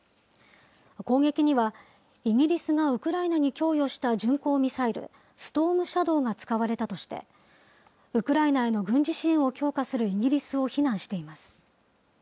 攻撃にはイギリスがウクライナに供与した巡航ミサイル、ストームシャドーが使われたとして、ウクライナへの軍事支援を強化するイギリスを非難しています。